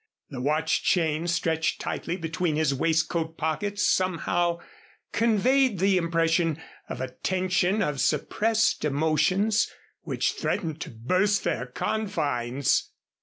The watch chain stretched tightly between his waistcoat pockets somehow conveyed the impression of a tension of suppressed emotions, which threatened to burst their confines.